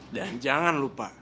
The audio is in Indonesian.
dan jangan lupa